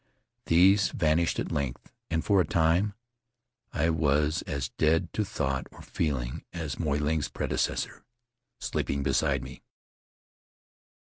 These vanished at length and for a time I was as dead to thought or feeling as Moy Ling's predecessor, sleeping beside me.